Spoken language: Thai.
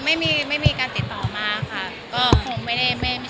ซีรีส์ที่ที่ว่าเป็นซีรีส์เพศริงของเกาหลีใช่มั้ย